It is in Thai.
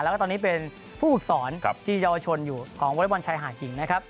แล้วก็ตอนนี้เป็นผู้ฝึกสอนที่เยาวชนอยู่ของวอเล็กบอลชายหาดจริงนะครับ